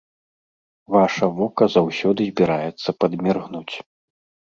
Ваша вока заўсёды збіраецца падміргнуць.